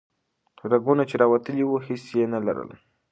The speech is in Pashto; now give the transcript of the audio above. رګونه چې راوتلي وو هیڅ یې نه لرل.